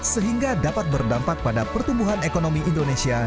sehingga dapat berdampak pada pertumbuhan ekonomi indonesia